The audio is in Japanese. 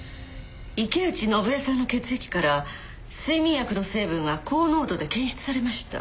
池内伸枝さんの血液から睡眠薬の成分が高濃度で検出されました。